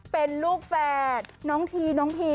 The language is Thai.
เป็นลูกแฝดน้องทีน้องพี